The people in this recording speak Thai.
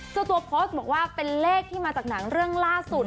เจ้าตัวโพสต์บอกว่าเป็นเลขที่มาจากหนังเรื่องล่าสุด